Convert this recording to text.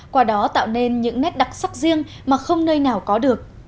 qua đó tạo nên những nét đặc sắc riêng mà không nơi nào có được